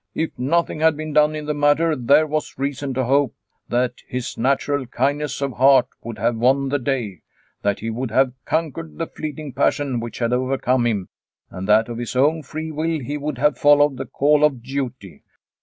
If nothing had been done in the matter, there was reason to hope that his natural kindness of heart would have won the day, that he would have conquered the fleeting passion which had overcome him, and 228 Liliecrona's Home that of his own free will he would have followed the call of duty.